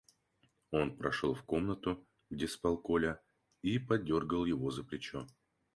Он прошел в комнату, где спал Коля, и подергал его за плечо.